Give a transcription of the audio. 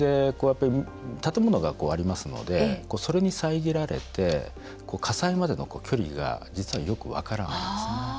建物がありますのでそれに遮られて火災までの距離が実は、よく分からないんですね。